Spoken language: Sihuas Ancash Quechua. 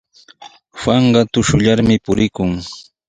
Juanqa tushukurllami purikun.